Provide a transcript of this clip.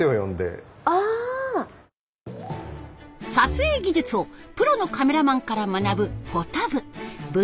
撮影技術をプロのカメラマンから学ぶフォト部。